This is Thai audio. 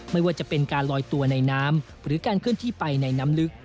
ไม่ว่าจะเป็นการลอยตัวในน้ำหรือการเคลื่อนที่ไปในน้ำลึก